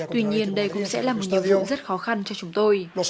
tuy nhiên đây cũng sẽ là một nhiệm vụ rất khó khăn cho chúng tôi